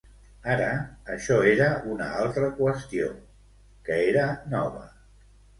Ara, això era una altra qüestió, que era nova.